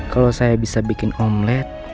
kalau saya bisa bikin omlet